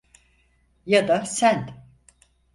Ya da sen.